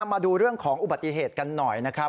มาดูเรื่องของอุบัติเหตุกันหน่อยนะครับ